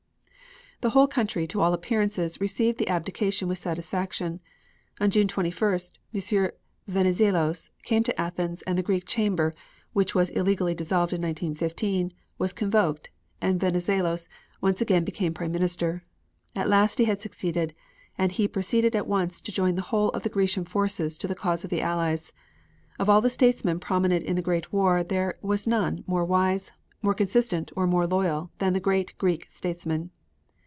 The whole country to all appearances received the abdication with satisfaction. On June 21st, M. Venizelos came to Athens and the Greek Chamber, which was illegally dissolved in 1915, was convoked and Venizelos once again became Prime Minister. At last he had succeeded, and he proceeded at once to join the whole of the Grecian forces to the cause of the Allies. Of all the statesmen prominent in the Great War, there was none more wise, more consistent or more loyal than the great Greek statesman.